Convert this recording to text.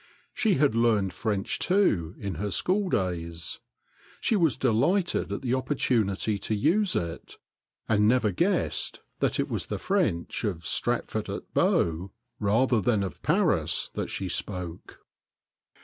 She had learned French, too, in her school days. She was de lighted at the opportunity to use it, and never guessed that it was the French of Stratford at Bow rather than of Paris that she spoke.